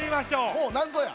ほうなんぞや？